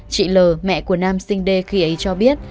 chị l mẹ của nam sinh đê khi ấy cho biết